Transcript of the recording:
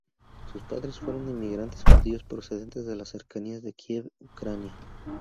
Sus padres fueron inmigrantes judíos procedentes de las cercanías de Kiev, Ucrania.